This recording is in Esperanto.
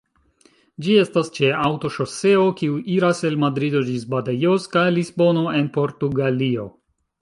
Ĝi estas ĉe aŭtoŝoseo kiu iras el Madrido ĝis Badajoz kaj Lisbono, en Portugalio.